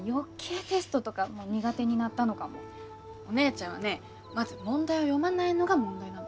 お姉ちゃんはねまず問題を読まないのが問題なの。